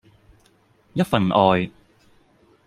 一份愛